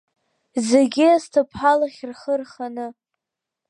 Зегьы Асҭыԥҳа лахь рхы рханы…